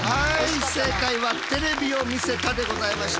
正解はテレビを見せたでございました。